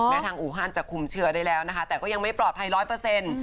ทางอูฮันจะคุมเชื้อได้แล้วนะคะแต่ก็ยังไม่ปลอดภัยร้อยเปอร์เซ็นต์